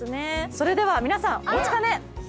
それでは皆さんお待ちかね。